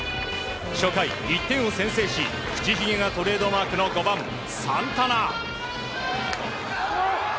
初回、１点を先制し口ひげがトレードマークの５番、サンタナ。